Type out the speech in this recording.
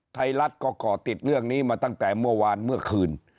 ไทยรัฐก็ก่อติดเรื่องนี้มาตั้งแต่เมื่อวานเมื่อคืน